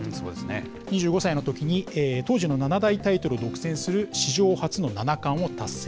２５歳のときに当時の七大タイトルを独占する史上初の七冠を達成。